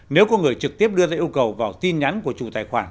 nếu có người trực tiếp đưa ra yêu cầu vào tin nhắn của chủ tài khoản